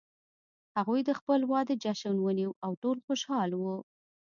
هغوی د خپل واده جشن ونیو او ټول خوشحال وو